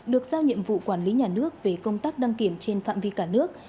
được giao nhiệm vụ quản lý nhà nước về công tác đăng kiểm trên phạm vi cả nước